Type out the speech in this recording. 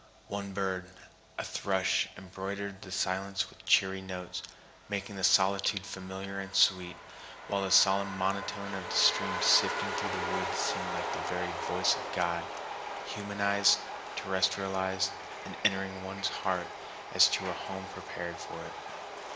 One bird, a thrush, embroidered the silence with cheery notes, making the solitude familiar and sweet, while the solemn monotone of the stream sifting through the woods seemed like the very voice of God, humanized, terrestrialized, and entering one's heart as to a home prepared for it.